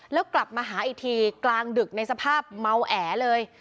แล้วกลับมาหาอีกทีกลางดึกในสภาพเมาแอเลย